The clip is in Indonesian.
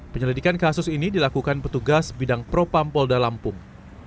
penyelidikan kasus ini dilakukan petugas bidang propam polda lampung